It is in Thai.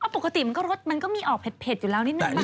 ปกติมันก็รสมันก็มีออกเผ็ดอยู่แล้วนิดนึง